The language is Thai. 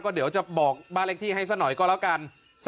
เดี๋ยวจะบอกบ้านเลขที่ให้สักหน่อยก็แล้วกัน